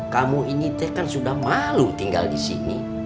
kamu ini teh kan sudah malu tinggal di sini